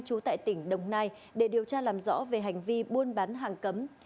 trú tại tỉnh đồng nai để điều tra làm rõ về hành vi buôn bán hàng cấm